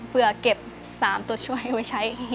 เพื่อเก็บ๓ตัวช่วยไว้ใช้เอง